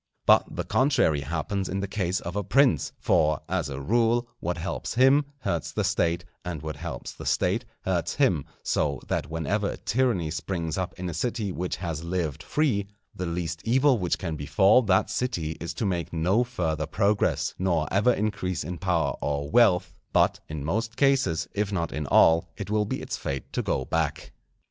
But the contrary happens in the case of a prince; for, as a rule, what helps him hurts the State, and what helps the State hurts him; so that whenever a tyranny springs up in a city which has lived free, the least evil which can befall that city is to make no further progress, nor ever increase in power or wealth; but in most cases, if not in all, it will be its fate to go back.